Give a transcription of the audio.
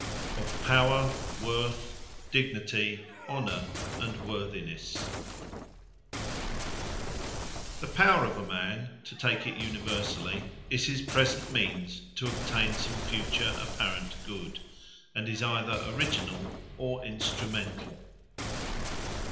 OF POWER, WORTH, DIGNITY, HONOUR AND WORTHINESS Power The POWER of a Man, (to take it Universally,) is his present means, to obtain some future apparent Good. And is either Originall, or Instrumentall.